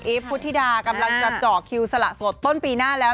พุทธิดากำลังจะเจาะคิวสละสดต้นปีหน้าแล้ว